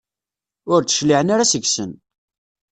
Ur d-cliɛen ara seg-sen.